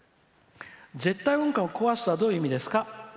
絶対音感を壊すとはどういう意味ですか？